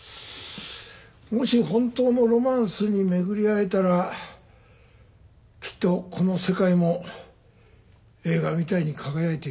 もし本当のロマンスに巡り合えたらきっとこの世界も映画みたいに輝いて見えるんだろうな。